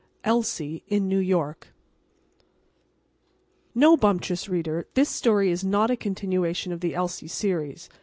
ELSIE IN NEW YORK No, bumptious reader, this story is not a continuation of the Elsie series.